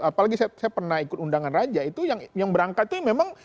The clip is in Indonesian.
apalagi saya pernah ikut undangan raja itu yang berangkat itu memang